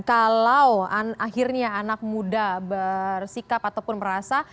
kalau akhirnya anak muda bersikap ataupun merasa